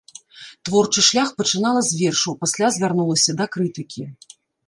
Творчы шлях пачынала з вершаў, пасля звярнулася да крытыкі.